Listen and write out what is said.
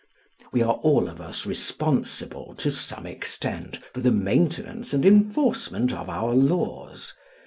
We are all of us responsible to some extent for the maintenance and enforcement of our laws.